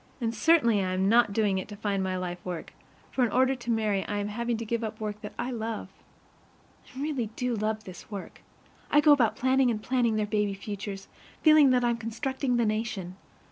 And certainly I am not doing it to find my life work, for in order to marry I am having to give up the work that I love. I really do love this work. I go about planning and planning their baby futures, feeling that I'm constructing the nation.